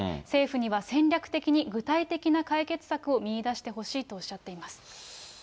政府には戦略的に具体的な解決策を見いだしてほしいとおっしゃっ